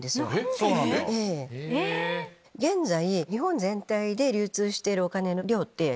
現在。